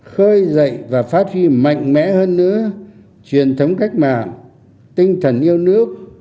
khơi dậy và phát huy mạnh mẽ hơn nữa truyền thống cách mạng tinh thần yêu nước